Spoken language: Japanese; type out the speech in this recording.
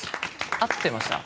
合ってました？